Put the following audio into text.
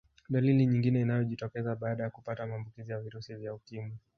Dalili nyingine inayojitokeza baada ya kupata maambukizi ya virusi vya ukimwi